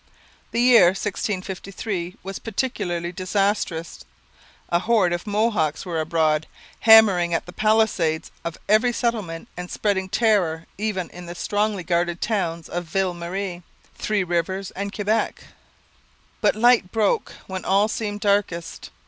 The year 1653 was particularly disastrous; a horde of Mohawks were abroad, hammering at the palisades of every settlement and spreading terror even in the strongly guarded towns of Ville Marie, Three Rivers, and Quebec. But light broke when all seemed darkest.